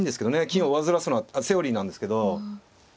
金を上ずらすのはセオリーなんですけど。